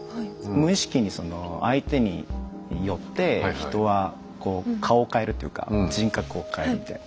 無意識にその相手によって人は顔を変えるっていうか人格を変えるみたいな。